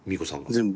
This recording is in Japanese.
全部。